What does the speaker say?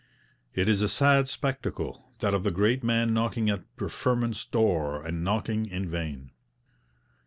It is a sad spectacle, that of the great man knocking at preferment's door, and knocking in vain.